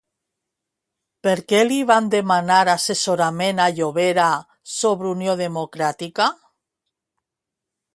Per què li van demanar assessorament a Llovera sobre Unió Democràtica?